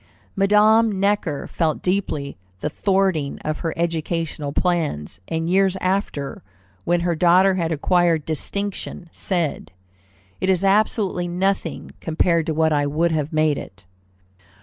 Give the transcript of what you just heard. Madame Necker felt deeply the thwarting of her educational plans, and years after, when her daughter had acquired distinction, said, "It is absolutely nothing compared to what I would have made it."